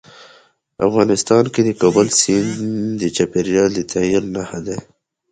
افغانستان کې د کابل سیند د چاپېریال د تغیر نښه ده.